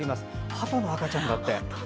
はとの赤ちゃんだって。